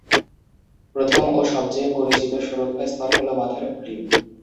প্রথম ও সবচেয়ে পরিচিত সুরক্ষা স্তর হলো মাথার খুলি।